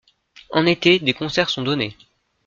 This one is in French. En été des concerts sont donnés.